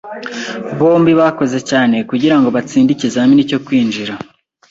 Bombi bakoze cyane kugirango batsinde ikizamini cyo kwinjira.